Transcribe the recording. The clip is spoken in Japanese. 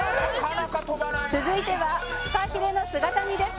「続いてはフカヒレの姿煮です」